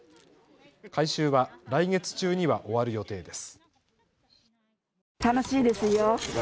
改修は来月中には終わる予定です。